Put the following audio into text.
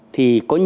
thì có nhiều